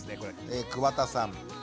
え桑田さん。